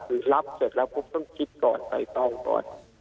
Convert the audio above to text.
คือรับเสร็จแล้วก็ต้องคิดต่อไปต้องก่อน